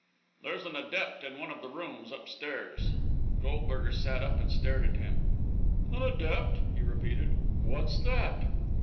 "There's an adept in one of the rooms upstairs." Goldberger sat up and stared at him. "An adept?" he repeated. "What's that?"